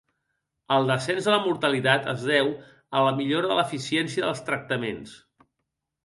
El descens de la mortalitat es deu a la millora de l'eficiència dels tractaments.